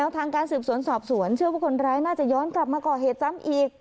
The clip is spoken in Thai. ทางการสืบสวนสอบสวนเชื่อว่าคนร้ายน่าจะย้อนกลับมาก่อเหตุซ้ำอีก